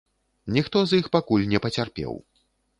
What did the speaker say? Ніхто з іх пакуль не пацярпеў.